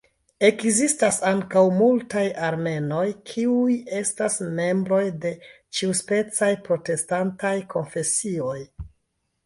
Ekzistas ankaŭ multaj armenoj kiuj estas membroj de ĉiuspecaj protestantaj konfesioj.